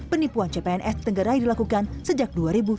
penipuan cpns tenggerai dilakukan sejak dua ribu sembilan belas